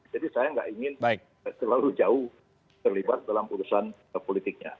jadi saya tidak ingin terlalu jauh terlibat dalam keputusan politiknya